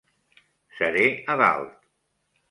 Seré a dalt.